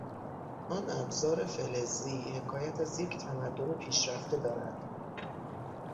آن ابزار فلزی حکایت از یک تمدن پیشرفته دارد.